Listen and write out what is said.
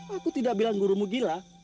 aku tidak bilang gurumu gila